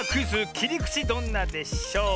「きりくちどんなでショー」。